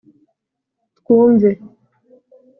twumve”